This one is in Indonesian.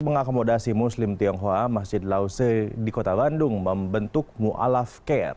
mengakomodasi muslim tionghoa masjid lao tse di kota bandung membentuk mu'alaf care